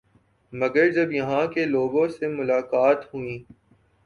مگر جب یہاں کے لوگوں سے ملاقات ہوئی